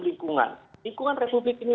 lingkungan lingkungan republik ini